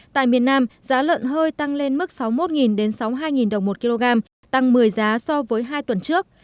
tại miền nam giá lợn hơi tăng lên mức sáu mươi một sáu mươi hai đồng một kg tăng một mươi giá so với hai tuần trước